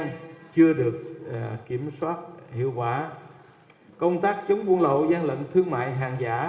tội phạm liên quan đến kiểm soát hiệu quả công tác chống buôn lậu gian lận thương mại hàng giả